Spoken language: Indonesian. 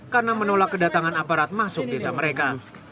karena menolak kedatangan aparat masuk desa mereka